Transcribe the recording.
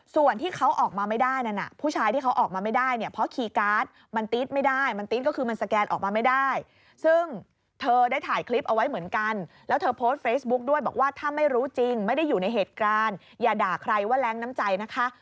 ส่วนที่เขาออกมาไม่ได้นั่นผู้ชายที่เขาออกมาไม่ได้เนี่ยเพราะคีย์การ์ดมันตี๊ดไม่ได้มันตี๊ดก็คือมันสแกนออกมาไม่ได้ซึ่งเธอได้ถ่ายคลิปเอาไว้เหมือนกันแล้วเธอโพสต์เฟซบุ๊กด้วยบอกว่าถ้าไม่รู้จริงไม่ได้อยู่ในเหตุการณ์อย่าด่าใครว่าแรงน้ำใจนะคะ